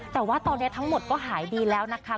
แต่ว่าตอนนี้ทั้งหมดก็หายดีแล้วนะคะ